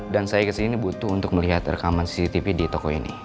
dan saya kesini butuh untuk melihat rekaman cctv di toko ini